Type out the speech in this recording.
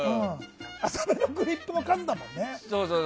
浅めのグリップも数だもんね。